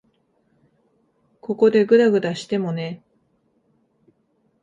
ここでぐだぐだしてもね。